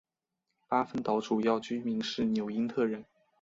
巴芬岛主要居民是因纽特人。